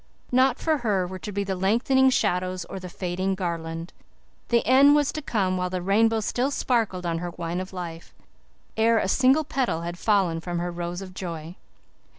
Not for her were to be the lengthening shadows or the fading garland. The end was to come while the rainbow still sparkled on her wine of life, ere a single petal had fallen from her rose of joy.